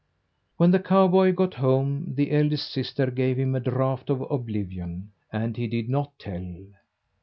When the cowboy got home, the eldest sister gave him a draught of oblivion, and he did not tell.